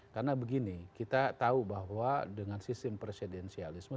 karena begini kita tahu bahwa dengan sistem presidensialisme